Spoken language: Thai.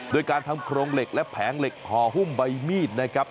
โดยการทำโครงเหล็กและแผงเหล็กห่อหุ้มใบมีดนะครับ